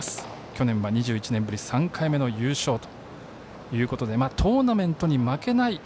去年は２１年ぶり３回目の優勝ということでトーナメントに負けない